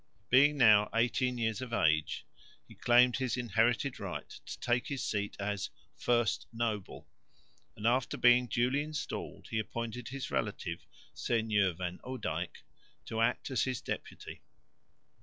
Being now eighteen years of age he claimed his inherited right to take his seat as "first noble," and after being duly installed he appointed his relative, Seigneur van Odijk, to act as his deputy.